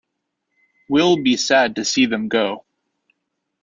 We'll be sad to see them go!